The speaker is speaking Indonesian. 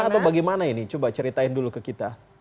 atau bagaimana ini coba ceritain dulu ke kita